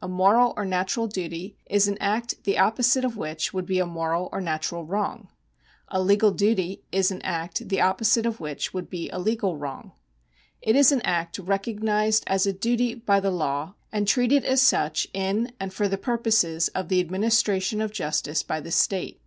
A moral or natural duty is an act the opposite of which would be a moral or natural wrong. A legal duty is an act the opposite of which would be a legal wrong. It is an act recognised as a duty by the law, and treated as such in and for the purposes of the administration of justice by the state.